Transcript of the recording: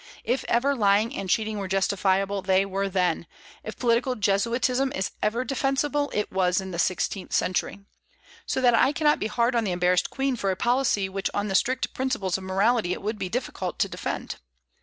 If ever lying and cheating were justifiable, they were then; if political jesuitism is ever defensible, it was in the sixteenth century. So that I cannot be hard on the embarrassed Queen for a policy which on the strict principles of morality it would be difficult to defend.